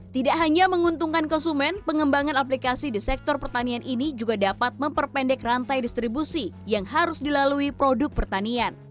tidak hanya menguntungkan konsumen pengembangan aplikasi di sektor pertanian ini juga dapat memperpendek rantai distribusi yang harus dilalui produk pertanian